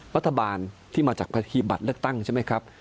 รัฐบาลที่มาจากภาษีบัตรเลือกตั้งใช่ไหมครับ